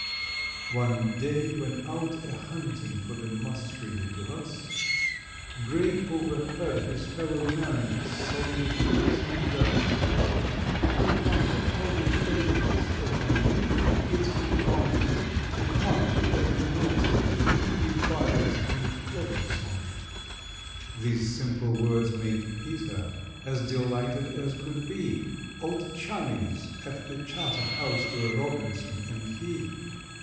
One day, when out a hunting for the mus ridiculus, GRAY overheard his fellow man soliloquizing thus: "I wonder how the playmates of my youth are getting on, M'CONNELL, S. B. WALTERS, PADDY BYLES, and ROBINSON?" These simple words made PETER as delighted as could be, Old chummies at the Charterhouse were ROBINSON and he!